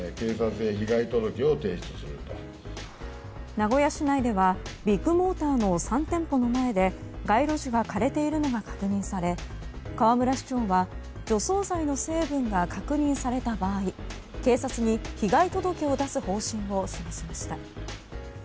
名古屋市内ではビッグモーターの３店舗の前で街路樹が枯れているのが確認され河村市長は除草剤の成分が確認された場合警察に被害届を出す方針を示しました。